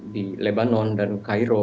di lebanon dan cairo